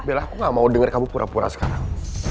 bella aku gak mau dengar kamu pura pura sekarang